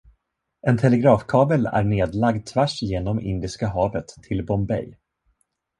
En telegrafkabel är nedlagd tvärs genom Indiska havet till Bombay.